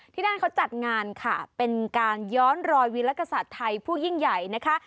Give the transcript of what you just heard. ที่นั่นเขาจัดงานค่ะเป็นการย้อนรอยวิลกษัตริย์ไทยผู้ยิ่งใหญ่นะคะ